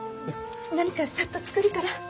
何かサッと作るから。